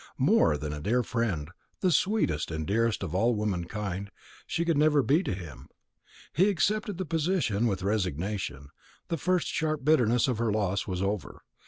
More than a dear friend, the sweetest and dearest of all womankind, she could never be to him. He accepted the position with resignation. The first sharp bitterness of her loss was over.